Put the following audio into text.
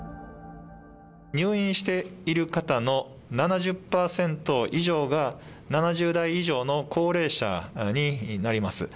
入院している方の７０％以上が７０代以上の高齢者になります。